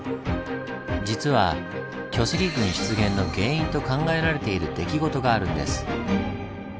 実は巨石群出現の原因と考えられている出来事があるんです。